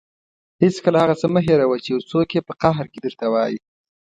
هېڅکله هغه څه مه هېروه چې یو څوک یې په قهر کې درته وايي.